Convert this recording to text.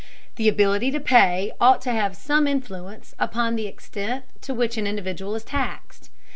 The ability to pay ought to have some influence upon the extent to which an individual is taxed.